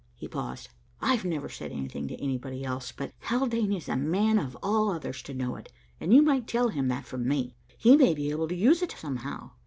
He paused. "I've never said that to anybody else, but Haldane is the man of all others to know it, and you might tell him that from me. He may be able to use it somehow.